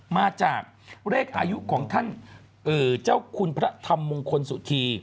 มาจากเลขอายุของท่านเจ้าคุณพระธรรมมงคลสุธี